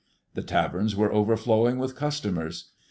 The taverns were overflowing with customers.